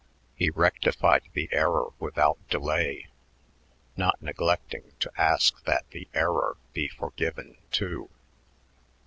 He rectified the error without delay, not neglecting to ask that the error be forgiven, too.